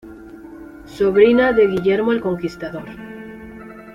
Sobrina de Guillermo el Conquistador.